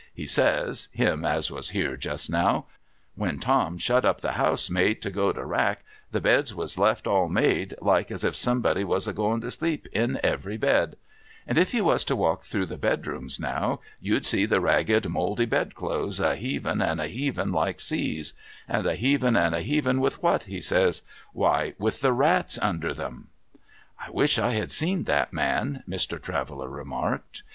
He says — him as was here just now —" When Tom shut up the house, mate, to go to rack, the beds was left, all made, like as if somebody was a going to sleep in every bed. ' And if you was to walk through the bedrooms now, you'd 26o TOM TIDDLER'S GROUND see the ragged mouldy bedclothes a heaving and a heaving like seas. And a heaving and a heaving with what ?" he says. " ^^'hy, with the rats under 'em." '' I wish I had seen that man,' Mr. Traveller remarked.